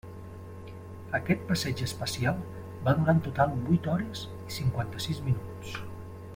Aquest passeig espacial va durar en total vuit hores i cinquanta-sis minuts.